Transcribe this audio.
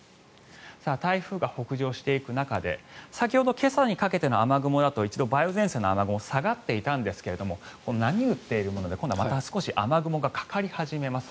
台風が北上していく中で先ほど、今朝にかけての雨雲だと一度、梅雨前線の雨雲が下がっていたんですが波打っているものでまた少し雨雲がかかり始めます。